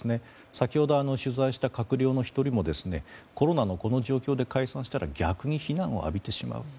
先ほど取材した閣僚の１人もコロナのこの状況で解散したら逆に非難を浴びてしまう。